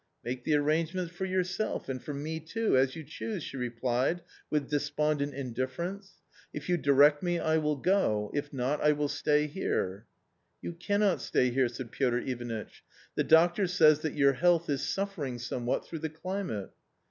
" Make the arrangements for yourself and for me too, as you choose, ,, she replied with despondent indifference ;" if you direct me I will go, if not I will stay here." " You cannot stay here," said Piotr Ivanitch ;" the doctor says that your health is suffering somewhat through the climate."